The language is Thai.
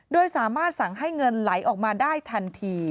โดยสามารถสั่งให้เงินไหลออกมาได้ทันที